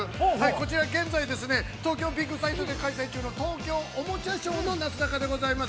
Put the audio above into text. こちら現在東京ビッグサイトで開催中の東京おもちゃショーの会場です。